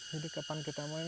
jadi kapan kita mau